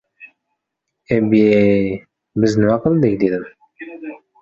— Eb-yey, biz nima qildik? — dedim.